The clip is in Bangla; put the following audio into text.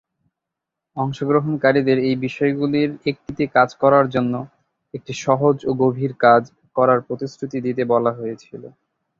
অংশগ্রহণকারীদের এই বিষয়গুলির একটিতে কাজ করার জন্য একটি "সহজ ও গভীর কাজ" করার প্রতিশ্রুতি দিতে বলা হয়েছিল।